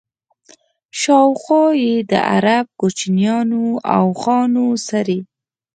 شاوخوا یې د عرب کوچیانو اوښان څري.